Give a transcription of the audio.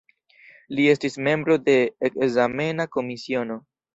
Li estis membro de ekzamena komisiono.